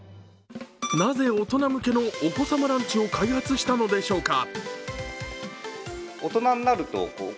なぜ大人向けの大人様ランチを開発したのでしょうか。